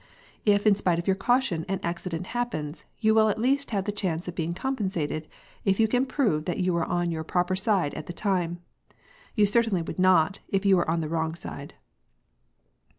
If in spite of your caution an accident happens, you will at least have the chance of being compensated if you can prove that you were on your proper side at the time; you certainly would not, if you were on the wrong side.